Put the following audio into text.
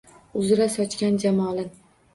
Uzra sochgan jamolin.